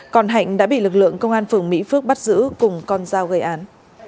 còn hạnh đã bị lực lượng công an phường mỹ phước bắt giữ cùng con dao gây án